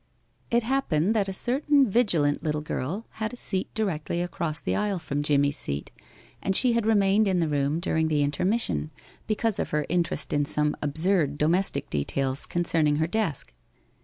It happened that a certain vigilant little girl had a seat directly across the aisle from Jimmie's seat, and she had remained in the room during the intermission, because of her interest in some absurd domestic details concerning her desk.